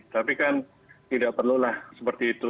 tapi kan tidak perlulah seperti itu